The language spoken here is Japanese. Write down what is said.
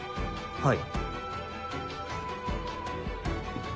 はい。